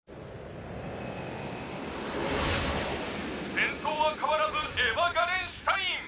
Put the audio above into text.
「先頭は変わらずエヴァ・ガレンシュタイン！」